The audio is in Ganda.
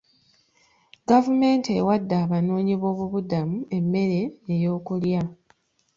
Gavumenti ewadde abanoonyi b'obubudamu emmere ey'okulya.